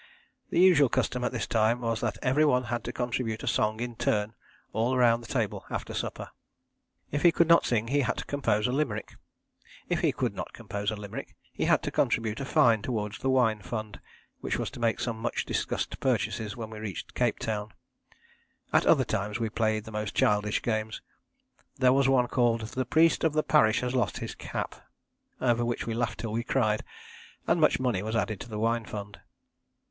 The usual custom at this time was that every one had to contribute a song in turn all round the table after supper. If he could not sing he had to compose a limerick. If he could not compose a limerick he had to contribute a fine towards the wine fund, which was to make some much discussed purchases when we reached Cape Town. At other times we played the most childish games there was one called 'The Priest of the Parish has lost his Cap,' over which we laughed till we cried, and much money was added to the wine fund.